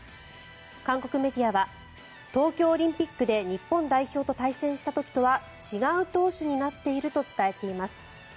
韓国メディアは東京オリンピックで日本代表と対戦した時とは違う投手になっていると伝えています。